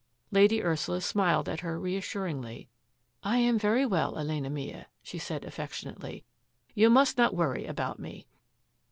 Lady Ursula smiled at her reassuringly. " I am very well, Elena mia,'' she said affectionately. " You must not worry about me."